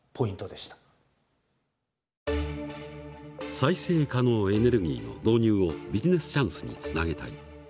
再生可能エネルギーの導入をビジネスチャンスにつなげたい。